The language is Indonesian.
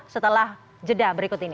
setelah jeda berikut ini